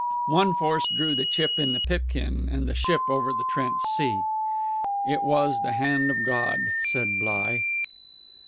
One force drew the chip in the pipkin and the ship over the tranced sea. It was the Hand of God, said Bligh....